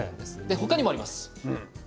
他にもあります。